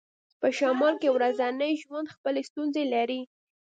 په شمال کې ورځنی ژوند خپلې ستونزې لري